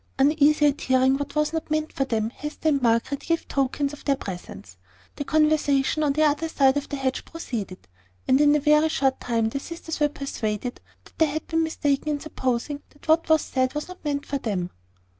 Uneasy at hearing what was not meant for them, Hester and Margaret gave tokens of their presence. The conversation on the other side of the hedge proceeded; and in a very short time the sisters were persuaded that they had been mistaken in supposing that what was said was not meant for them.